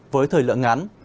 với thời lượng ngắn